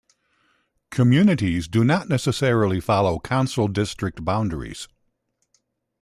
Communities do not necessarily follow Council District boundaries.